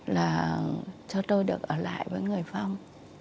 là cho tôi được ở lại với người phong